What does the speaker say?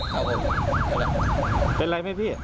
ครับผมเป็นอะไรไหมพี่